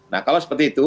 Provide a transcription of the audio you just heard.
nah kalau seperti itu